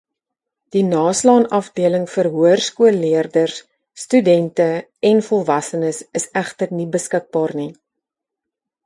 Die naslaanafdeling vir hoërskoolleerders, studente en volwassenes is egter nie beskikbaar nie.